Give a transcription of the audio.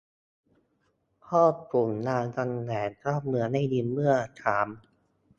พ่อขุนรามคำแหงเจ้าเมืองได้ยินเรียกเมื่อถาม